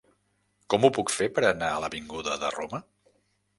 Com ho puc fer per anar a l'avinguda de Roma?